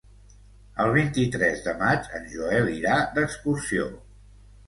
El vint-i-tres de maig en Joel irà d'excursió.